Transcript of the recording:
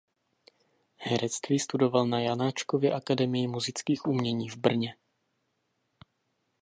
Herectví studoval na Janáčkově akademii múzických umění v Brně.